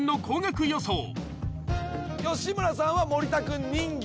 吉村さんは森田くん人形。